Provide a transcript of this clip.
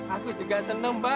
aku juga seneng mba